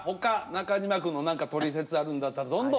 中島くんの何かトリセツあるんだったらどんどん。